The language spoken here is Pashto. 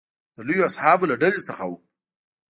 د لویو اصحابو له ډلې څخه و.